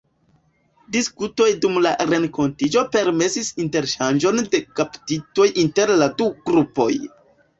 Diskutoj dum la renkontiĝo permesis interŝanĝon de kaptitoj inter la du grupoj.